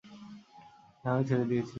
হ্যাঁ, আমি ছেড়ে দিয়েছি।